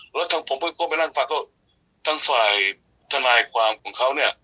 และก็ต้องผมเกิดมานั่งฟังก็ทั้งฝ่ายทนายความของเขาเนี่ย